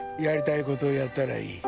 やりたいことやったらいい。